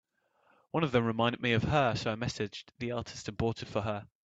One of them reminded me of her, so I messaged the artist and bought it for her.